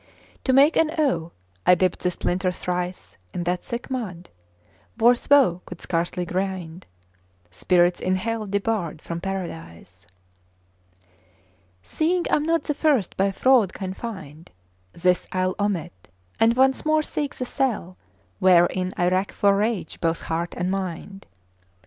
To make an O, I dipped the splinter thrice In that thick mud; worse woe could scarcely grind Spirits in hell debarred from Paradise. Seeing I'm not the first by fraud confined, This I'll omit; and once more seek the cell Wherein I rack for rage both heart and mind.